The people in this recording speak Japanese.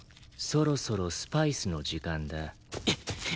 そろそろスパイスの時間だ。